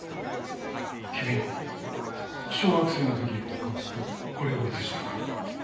君小学生の時これを写したのか？